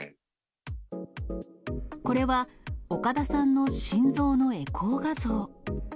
これは、岡田さんの心臓のエコー画像。